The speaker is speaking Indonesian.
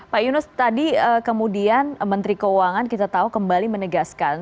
pak yunus tadi kemudian menteri keuangan kita tahu kembali menegaskan